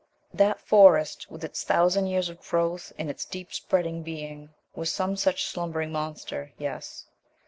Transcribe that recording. That Forest with its thousand years of growth and its deep spreading being was some such slumbering monster, yes.